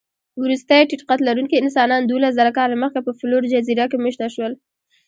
وروستي ټيټقدلرونکي انسانان دوولسزره کاله مخکې په فلور جزیره کې مېشته شول.